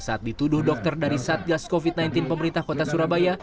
saat dituduh dokter dari satgas covid sembilan belas pemerintah kota surabaya